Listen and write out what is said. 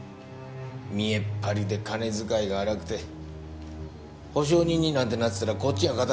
見栄っ張りで金遣いが荒くて保証人になんてなってたらこっちが傾いちまう。